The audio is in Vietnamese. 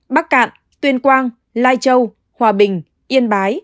bắc cạn tuyên quang lai châu hòa bình yên bái